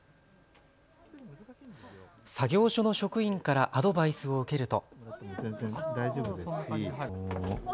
作業所の職員からアドバイスを受けると。